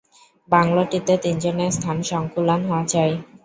বাংলোটিতে তিনজনের স্থান-সঙ্কুলান হওয়া চাই।